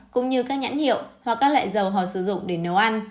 cũng như các nhãn hiệu hoặc các loại dầu họ sử dụng để nấu ăn